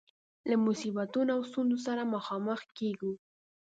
له مصیبتونو او ستونزو سره مخامخ کيږو.